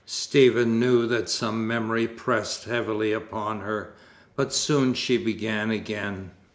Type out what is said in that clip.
Stephen knew that some memory pressed heavily upon her, but soon she began again.